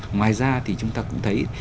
ngoài ra thì chúng ta cũng thấy